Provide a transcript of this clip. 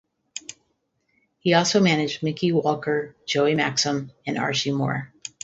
He also managed Mickey Walker, Joey Maxim, and Archie Moore.